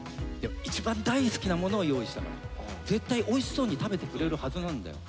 一番大好きなものを用意したから絶対おいしそうに食べてくれるはずなんだよ。